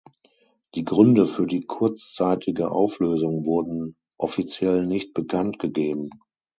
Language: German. Die Gründe für die kurzzeitige Auflösung wurden offiziell nicht bekannt gegeben.